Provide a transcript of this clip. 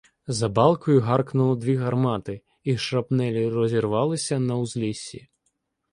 За балкою гаркнули дві гармати, і шрапнелі розірвалися на узліссі.